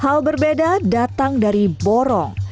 hal berbeda datang dari borong